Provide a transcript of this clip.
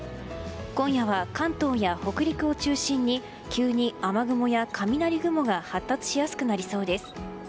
今夜は関東や北陸を中心に急に雨雲や雷雲が発達しやすくなりそうです。